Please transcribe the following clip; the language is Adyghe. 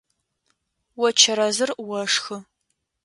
О чэрэзыр ошхы.